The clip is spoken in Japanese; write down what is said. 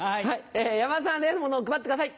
山田さん例のものを配ってください。